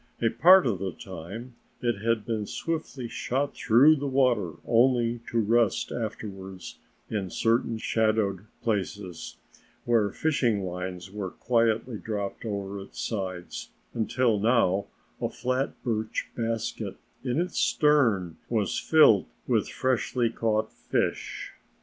A part of the time it had been swiftly shot through the water only to rest afterwards in certain shadowed places, where fishing lines were quietly dropped over its sides, until now a flat birch basket in its stern was filled with freshly caught fish.